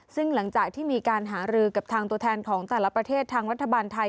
ซึ่งหลังจากที่มีการหารือกับทางตัวแทนของแต่ละประเทศทางรัฐบาลไทย